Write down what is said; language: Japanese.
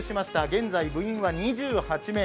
現在、部員は２８名。